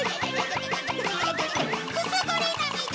くすぐりノミだ！